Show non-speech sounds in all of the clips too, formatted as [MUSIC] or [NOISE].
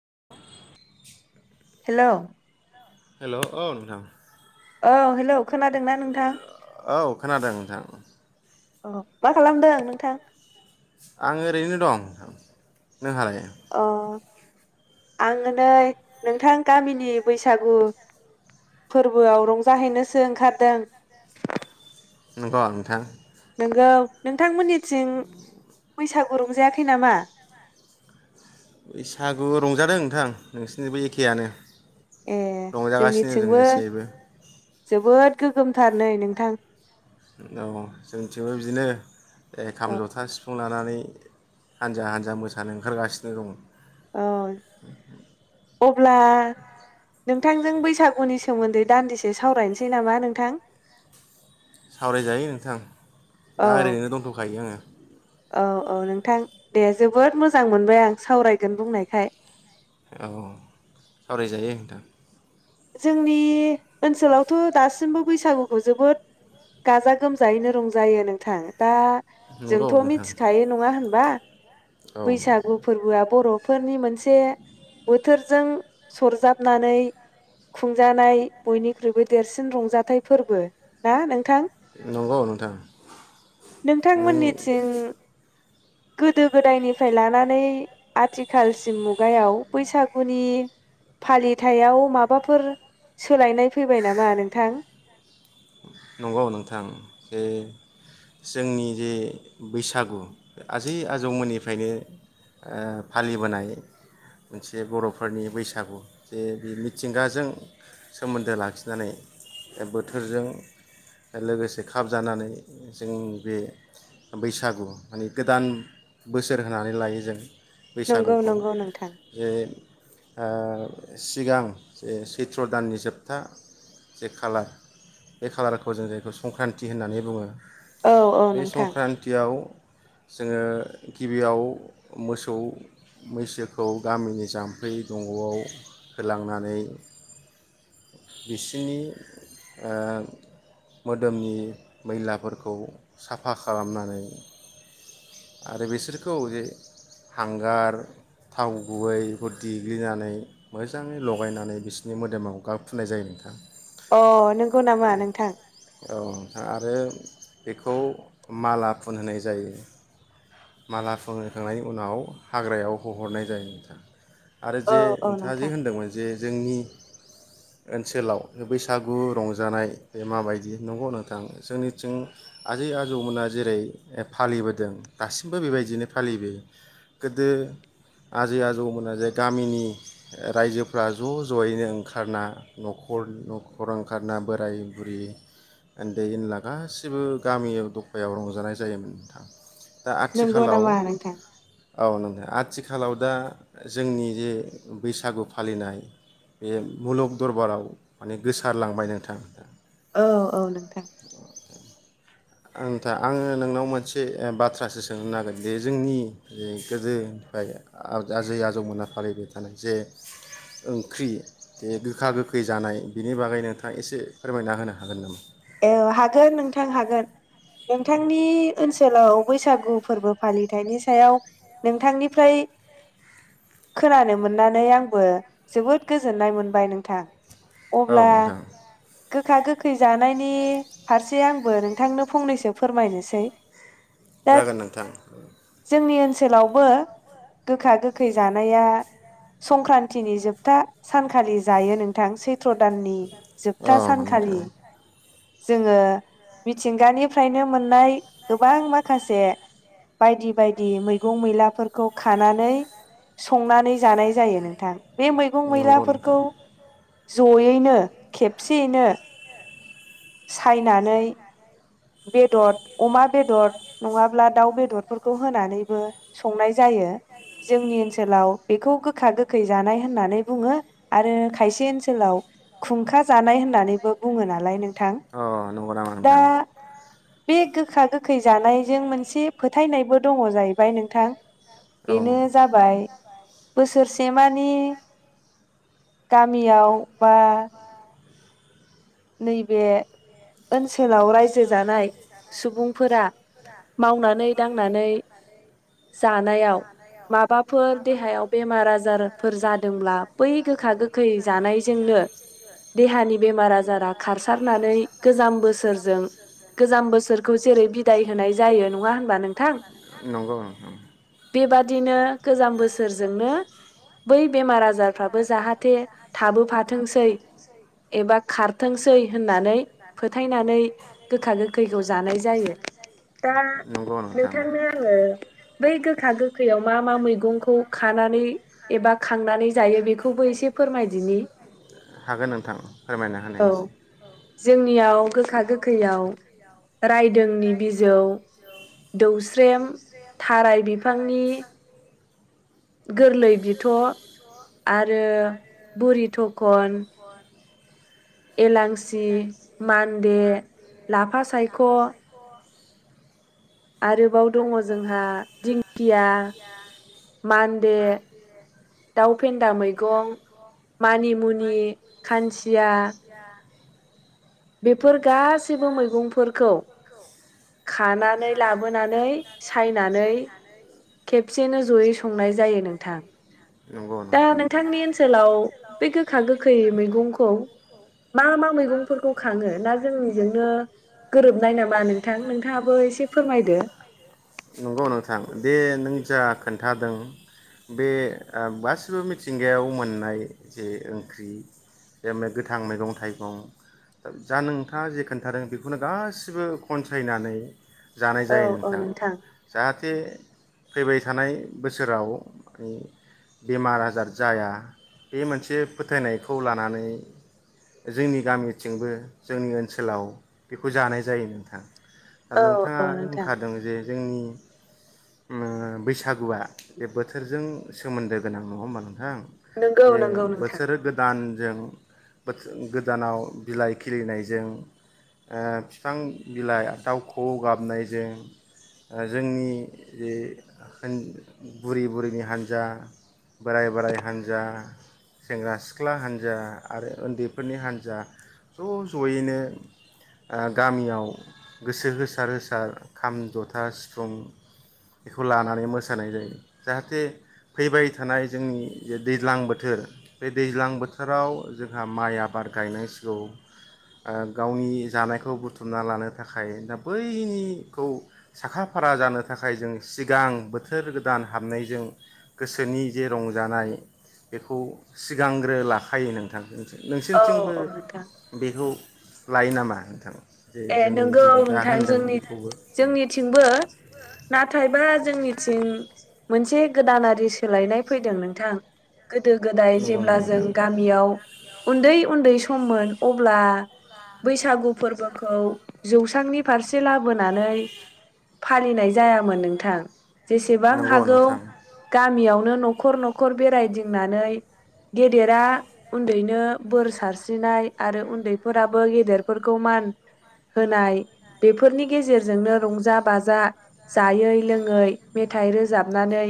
[INAUDIBLE] हेल हेल औ नोंथां ओं [INAUDIBLE] ओ आ औ खोनादों नोंथां अ मा खालामदों नोंथां? आं ओरैनो दं नोंथां नोंहालाय? आङो नै नोंथां गामिनि बैसागु फोरबोआव रंजाहैनोसो ओंखारदों नंग नोंथां नोंगौ नोंथांमोननिथिं बैसागु रंजायाखै नामा? नोंथां नोंसिनि बे एखेयानो ए जोंनिथिंबो जोबोद गोगोमथार नै नोंथां। औ जोंथिंबो बिदिनो ए खाम, जथा, सिफुं ला नानै हानजा हानजा मोसानो ओंखारगासिनो दं। औ। अब्ला नोंथांजों बैसागुनि सोमोन्दै दान्दिसे सावरायनोसै नामा नोंथां? सावरायजायो नोंथां दा ओरैनो दोनथखायो आङो। औ औ नोंथां दे जोबोद मोजां मोनबाय आं सावरायगोन बुंनायखाय। औ सावरायजायो नोंथां। जोंनि ओनसोलावथ' दासिमबो बैसागुखौ जोबोद गाजा गोमजायैनो रंजायो नोंथां दा जोंथ' मिथिखायो नङा होन बा बैसागु फोरबोया बर' फोरनि मोनसे बोथोरजों सरजाबनानै खुंजानाय बयनिख्रुइबो देरसिन रंजाथाइ फोरबो ना नों थां? नोंथांमोननिथिं गोदो गोदायनिफ्राय लानानै आथिखालसिम मुगायाव बैसागुनि फालिथाइयाव माब बाफोर सोलायनाय फैबाय नामा नोंथां? नंगौ नोंथां जे जोंनि जे बैसागु आजै आजौमोननिफ्रायनो ओ फालिबोनाय मोनसे बर'फोरनि बैसागु जे बे मिथिंगाजों सोमोन्दो लाखिनानै बो थोरजों लोगोसे खाब जानानै जों बे बैसागु माने गोदान बोसोर होननानै लायो जों बैसागुखौ जे ओ सिगां जे सैथ्र दाननि जोबथा जे खालार बे खालारखौ जों जायखौ संक्रान्ति होननानै बुङो बे संक्रान्तियाव जोङो गिबियाव मोसौ मैसोखौ गामिनि जाम्फै दंग'आव होलांनानै बिसोरनि ओ मोदोमनि मैलाफोरखौ साफा खालामनानै आरो बिसोरखौ जे हांगार थाव गुबैखौ देग्लिनानै मोजाङै लगायनानै बिसोरनि मोदोमाव गाबफुननाय जायो नोंथां। अ नंगौ नामा नोंथां? बेखौ माला फुनहोनाय जायो। माला फुनहोखांनायनि उनाव हाग्रायाव होहरनाय जायो नोंथां। आरो जे नोंथाङा जे होनदोंमोन जे जोंनि ओनसोलाव बैसागु रंजानाय बे माबायदि नंगौ नोंथां जोंनिथिं आजै आजौमोना जेरै फालिबोदों दासिमबो बेबायदिनो फालिबोयो गोदो आजै आजौमोना जे गामिनि रायजोफ्रा ज जयैनो ओंखारना नखर नखर ओंखारना बोराइ बुरि उन्दै ओनला गासैबो गामि दफायाव रंजानाय जायोमोन नोंथां। नोंगौ नामा नोंथां? औ नोंथां आथिखालाव दा जोंनि जे बैसागु फालिनाय बे मुलुग दरबाराव माने गोसारलांबाय नोंथां। औ औ नोंथां। ओ नोंथां आङो नोंनाव मोनसे बाथ्रासो सोंनो नागिरो जे जोंनि गोदोनिफ्राय आजै आजौमोना फालिबाय थानाय जे ओंख्रि बे गोखा गोखै जानाय बेनि बागै नोंथाङा एसे फोरमायना होनो हागोन नामा? औ हागोन नोंथां हागोन नोंथांनि ओनसोलाव बैसागु फोरबो फालिथाइनि सायाव नोंथांनिफ्राय खोनानो मोननानै आंबो जोबोद गोजोननाय मोनबाय नोंथां। औ नोंथां गोखा गोखै जा नायनि फारसे आंबो नोंथांनो फंनैसो फोरमायनोसै जागोन नोंथां ओनसोलावबो गोखा गोखै जानाया संक्रान्तिनि जोबथा सानखालि जायो नोंथां सै थ्रदाननि जोबथा सानखालि जोङो मिथिंगानिफ्रायनो मोननाय गोबां माखासे बायदि बायदि मैगं मैलाफोरखौ खानानै संनानै जानाय जायो नोंथां बे मैगं मैलाफोरखौ जयैनो खेबसेयैनो सायनानै बेदर अमा बेदर नङाब्ला दाउ बेदरफोरखौ होनानैबो संनाय जा जायो जोंनि ओनसोलाव बेखौ गोखा गोखै जानाय होननानै बुङो आरो खायसे ओनसोलाव खुंखा जानाय होननानैबो बुङो नालाय नोंथां दा बे गोखा गोखै जानायजों मोनसे फोथायनायबो दङ जाहैबाय नोंथां बेनो जाबाय बोसोरसेमानि गामियाव बा नैबे ओनसोल ओनसोलाव रायजो जानाय सुबुंफोरा मावनानै दांनानै जानायाव माबाफोर देहायाव बेमार आजारफोर जादोंब्ला बै गोखा गोखै जानायजोंनो देहानि बेमार आजार खारसारनानै गोजाम बोसोरजों गोजाम बोसोरखौ जेरै बिदाय होनाय जायो नङा होनबा नोंथां बेबादिनो गोजाम बोसोरजोंनो बै बेमार आजारफ्राबो जाहाथे थाबोफाथोंसै एबा खारथोंसै होननानै फोथायनानै गोखा गोखैखौ जानाय जायो दा नोंथांनो आङो बै गोखा गोखैयाव मा मा मैगंखौ खानानै एबा खांनानै जायो बेखौबो एसे फोरमायदिनि औ जोंनियाव गोख खा गोखैयाव राय दोंनि बिजौ दौस्रेम थाराय बिफांनि गोरलै बिथ आरो बुरि थखन एलांसि मान्दे लाफा सायख आरोबाव दङ जोंहा दिंखिया मान्दे दाउ फेन्दा मैगं मानिमुनि खानसिया बेफोर गासैबो मैगंफोरखौ खानानै लाबोनानै नै सायनानै खेबसेनो जयै संनाय जायो नोंथां दा नोंथांनि ओनसोलाव बे गोखा गोखै मैगंखौ मा मा मैगंफोरखौ खाङो ना जोंनिजोंनो गोरोबनाय नामा नोंथां नोंथाङाबो एसे फोरमायदो। नंगौ नोंथां दे नों जा खोन्थादों बे गासिबो मिथिंगायाव मोननाय जे ओंख्रि गोथां मैगं थाइगं जा नोंथाङा जे खोन्थादों बेखौनो गासिबो खनसायनानै जानाय जायो नों औ जाहाथे फैबाय थानाय बोसोराव बेमार आजार जाया बे मोनसे फोथायनायखौ लानानै जोंनि गामिथिंबो जोंनि ओनसोलाव बेखौ जानाय जायो नोंथां। नोंथाङा जों जे जोंनिओ बैसागुआ बे बोथोरजों सोमोन्दो गोनां नङा होनबा नोंथां? थां बे बोसोरो गोदान जों बोथो गोदानाव बिलाइ खिलिनायजों फिफां बिलाइ दाउ खौऔ गाबनायजों ओ जोंनि जे [UNINTELLIGIBLE] बुरि-बुरिनि हान्जा बोराय बोराय हान्जा सेंग्रा सिख्ला हान्जा आरो ओन्दैफोरनि हान्जा ज-जयैनो गामियाव गोसो होसार होसार खाम जथा सिफुं बेखौ लानानै मोसानाय जायो जाहाथे फैबाय थानाय जोंनि जे दैज्लां बोथोर बे दैज्लां बोथोराव जोंहा माइ आबाद गायनां सिगौ ओ गावनि जानायखौ बुथुमना लानो थाखाय दा बैनि खौ साखा फारा जानो थाखाय जों सिगां बोथोर गोदान हाबनायजों गोसोनि जे रंजानाय बेखौ सिगांग्रो लाखायो नोंथां। नोंसो नोंसोनिथिंबो बेखौ लायो नामा नोंथां? जे जोंनि जि बि दा होनदों बेखौबो। जोंनिथिंबो नाथायबा जोंनिथिं मोनसे गोदानारि सोलायनाय फैदों नोंथां। गोदो गोदाय जेब्ला जों गामियाव उन्दैक्षउन्दै सम सममोन अब्ला बैसागु फोरबो खौ जौसांनि फारसे लाबोनानै फालिनाय जायामोन नोंथां। जेसेबां हागौ गामियावनो नखर नखर बेरायदिंनानै गेदेरा उन्दैनो बोर सारस्रिनाय आरो उन्दैफोराबो गेदेरफोरखौ मान होनाय बेफोरनि गेजेरजोंनो रंजा बाजा जायै लोङै मेथाइ रोज जाबनानै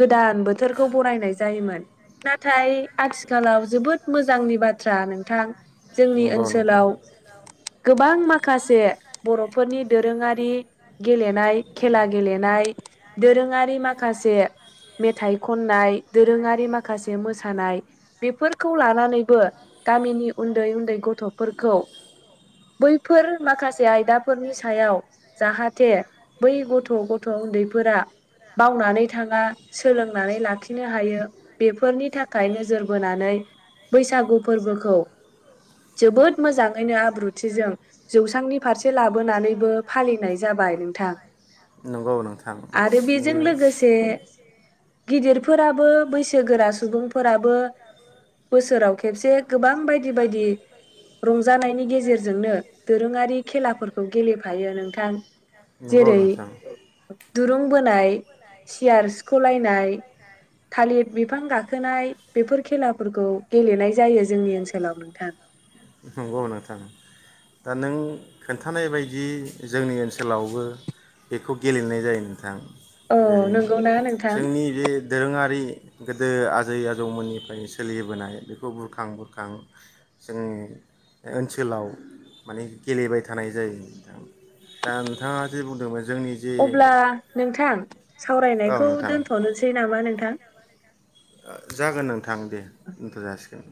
गोद दान बोथोरखौ बरायनाय जायोमोन। नाथाय आथिखालाव जोबोद मोजांनि बाथ्रा नोंथां। जोंनि ओनसोलाव गोबां माखासे बरफोरनि दोरोङारि गेलेनाय खेला गेलेनाय दोरोङारि माखासे मेथाइ खननाय दोरोङारि माखासे मोसानाय बेफोरखौ लानानैबो गामिनि उन्दै-उन्दै गथफोरखौ बैफोर माखासे आयदाफोरनि सायाव जाहाथे बै गथ गथ उन्दैफोरा बावनानै थाङा सोलोंनानै लाखिनो हायो बेफोरनि थाखाय नोजोर बोनानै बैसागु फोरबोखौ जोबोद मोजाङैनो आब ब्रुथिजों जौसांनि फारसे लाबोनानैबो फालिनाय जाबाय नोंथां। नंगौ नोंथां उम गिदिरफोराबो बैसोगोरा सुबुंफोराबो बोसोराव खे खेबसे गोबां बायदि बायदि रंजानायनि गेजे नो दोरोङारि खेलाफोरखौ गेलेफायो नोंथां। नंगौ नोंथां। दुरुं बोनाय, सियार सिखलायनाय, थालिर बिफां गाखोनाय बेफोर खेलाफोरखौ गेलेनाय जायो। जोंनि ओनसोलाव नोंथां। दा नों खोन्थानाय बायदि जोंनि ओनसोलावबो बेखौ गेलेनाय जायो नोंथां। जैरै जोंनि बे दोरोङारि गोदो आजै आजौमोननिफ्राय सोलिबोनाय बेखौ बुरखां बुर खां जोंनि ओनसोलाव माने गेलेबाय थानाय जायो। दा नोंथाङा जे बुंदोंमोन अब्ला नोंथां सावरायनायखौ दोन्थनोसै नामा नों थां? जागोन नोंथां दे दोनथ' जासिगोन।